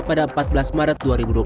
pada empat belas maret dua ribu dua puluh